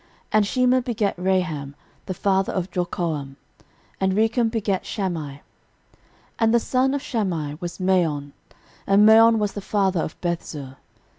13:002:044 And Shema begat Raham, the father of Jorkoam: and Rekem begat Shammai. 13:002:045 And the son of Shammai was Maon: and Maon was the father of Bethzur.